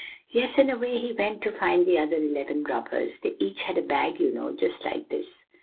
"Yes, and away he went to find the other eleven robbers; they each had a bag, you know, just like his.